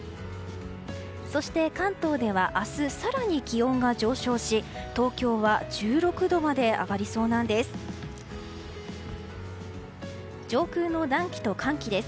そして関東では明日、更に気温が上昇し東京は１６度まで上がりそうなんです。